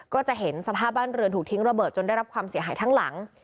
ก็จะเห็นสภาพบ้านเรือนถูกทิ้งระเบิดจนได้รับความเสียหายทั้งหลัง